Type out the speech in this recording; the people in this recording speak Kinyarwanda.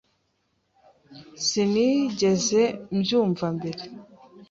Sinigeze mbyumva mbere.